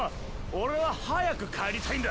オレは早く帰りたいんだ！